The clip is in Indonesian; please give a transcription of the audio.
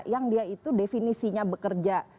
yang dia itu definisinya bekerja